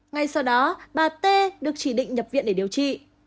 ngay sau đó bà t được chỉ định nhập viện để điều trị